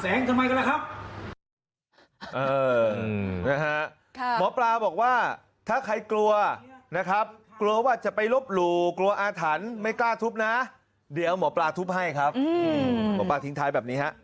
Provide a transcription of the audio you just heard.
เอาไว้หาพระแสงทำไมกันล่ะครับ